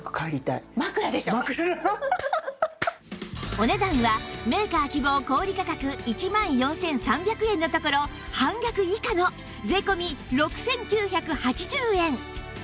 お値段はメーカー希望小売価格１万４３００円のところ半額以下の税込６９８０円